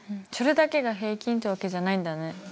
それだけが平均ってわけじゃないんだね。